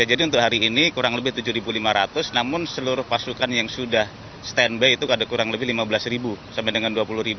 jadi untuk hari ini kurang lebih tujuh lima ratus namun seluruh pasukan yang sudah stand by itu ada kurang lebih lima belas sampai dengan dua puluh